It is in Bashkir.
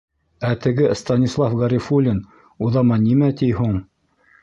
Ә теге Станислав Ғәрифуллин уҙаман нимә ти һуң?